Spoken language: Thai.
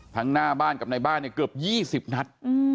หน้าบ้านกับในบ้านเนี่ยเกือบ๒๐นัด